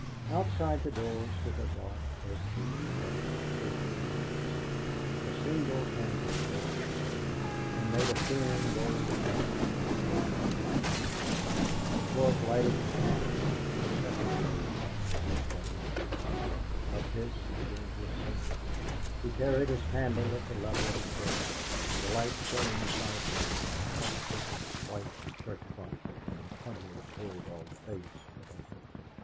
Outside the door stood a dark oak table covered with silver candlesticks; a single candle burned thereon, and made a thin gold path in the velvet blackness. George lighted his candle, and a second gold path leaped out in front; up this he began to ascend. He carried his candle at the level of his breast, and the light shone sideways and up over his white shirt front and the comely, bulldog face above it.